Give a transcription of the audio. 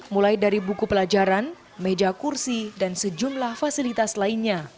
mulai dari buku pelajaran meja kursi dan sejumlah fasilitas lainnya